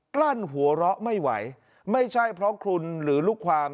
กลั้นหัวเราะไม่ไหวไม่ใช่เพราะคุณหรือลูกความ